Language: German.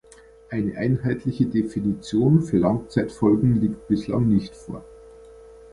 Eine einheitliche Definition für Langzeitfolgen liegt bislang nicht vor.